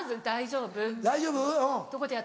「大丈夫？」